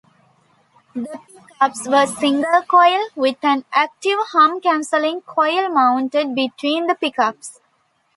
The pickups were single-coil, with an active hum-cancelling coil mounted between the pickups.